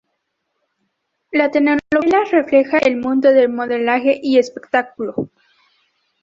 La telenovela refleja el mundo del modelaje y del espectáculo.